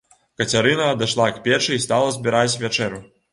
Кацярына адышла к печы і стала збіраць вячэру.